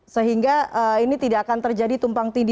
sehingga ini tidak akan terjadi tumpang tindih